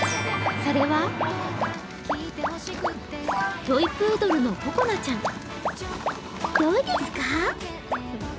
それは、トイプードルのここなちゃん。